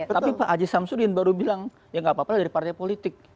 tapi pak haji samsudin baru bilang ya nggak apa apa dari partai politik